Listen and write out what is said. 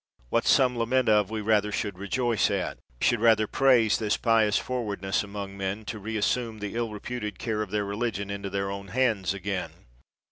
What some lament of, we rather should rejoice at; should rather praise this pious forwardness among men, to reassume the ill reputed care of their religion into their own hands again.